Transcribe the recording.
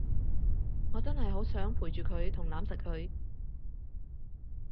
我真係好想陪住佢同攬實佢